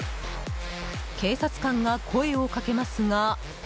警察官が声をかけますが。